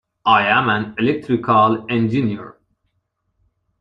I am an Electrical Engineer.